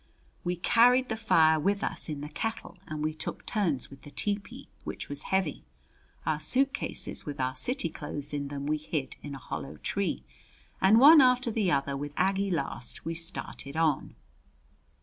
We carried the fire with us in the kettle and we took turns with the tepee, which was heavy. Our suitcases with our city clothes in them we hid in a hollow tree, and one after the other, with Aggie last, we started on.